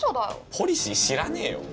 ポリシー知らねえよ！